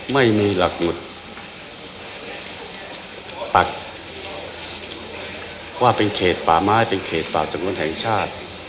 ไม่มีหลักหลุดปักว่าเป็นเขตป่าไม้เป็นเขตป่าสงวนแห่งชาติ